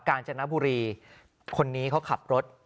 การจนบุรีคนนี้เขาขับรถ